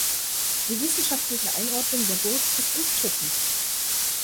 Die wissenschaftliche Einordnung der Burg ist umstritten.